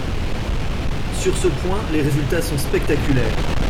Sur ce point, les résultats sont spectaculaires.